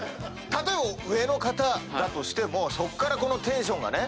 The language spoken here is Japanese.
例えば上の方だとしてもそこからテンションがね